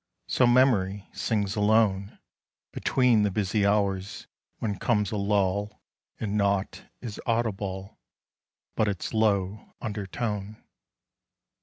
So memory sings alone Between the busy hours when comes a lull, And naught is audible But its low undertone.